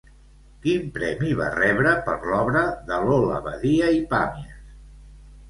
Quin premi va rebre per l'Obra de Lola Badia i Pàmies?